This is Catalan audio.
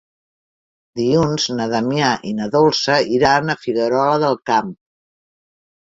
Dilluns na Damià i na Dolça iran a Figuerola del Camp.